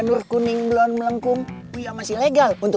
menurutku aku aku ingin tahu kalau rudes agak agak inget